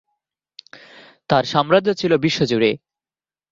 তার সাম্রাজ্য ছিল বিশ্বজুড়ে।